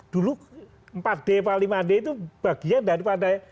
dulu empat d lima d itu bagian daripada